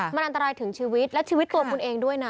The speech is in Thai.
มันอันตรายถึงชีวิตและชีวิตตัวคุณเองด้วยนะ